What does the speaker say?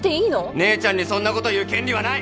姉ちゃんにそんなこと言う権利はない！